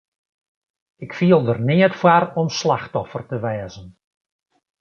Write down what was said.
Ik fiel der neat foar om slachtoffer te wêze.